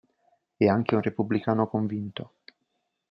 È anche un repubblicano convinto.